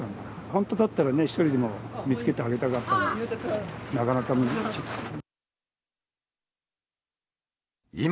本当だったら、１人でも見つけてあげたかったんですけど、なかなか難しい。